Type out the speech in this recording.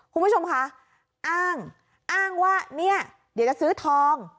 คุณผู้ชมคะอ้างอ้างว่าเนี่ยเดี๋ยวจะซื้อทอง